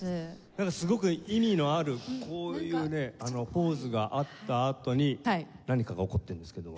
なんかすごく意味のあるこういうねポーズがあったあとに何かが起こっているんですけどそれは何が？